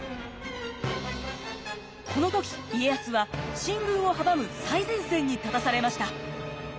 この時家康は進軍を阻む最前線に立たされました。